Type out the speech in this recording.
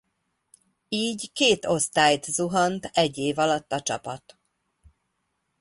Így két osztályt zuhant egy év alatt a csapat.